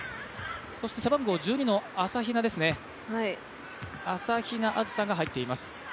背番号１２の朝比奈あずさが入っています。